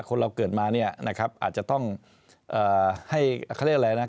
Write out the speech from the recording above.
คนเราเกิดมาเนี่ยอาจจะต้องให้แค่คำเรียกอะไรนะ